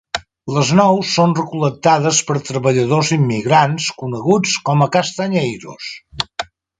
Les nous són recol·lectades per treballadors immigrants coneguts com a castanheiros.